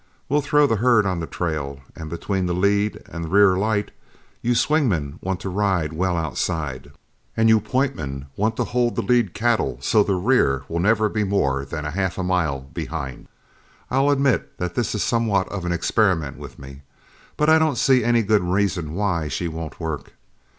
We'll throw the herd on the trail; and between the lead and rear light, you swing men want to ride well outside, and you point men want to hold the lead cattle so the rear will never be more than a half a mile behind. I'll admit that this is somewhat of an experiment with me, but I don't see any good reason why she won't work.